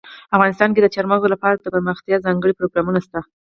افغانستان کې د چار مغز لپاره دپرمختیا ځانګړي پروګرامونه شته.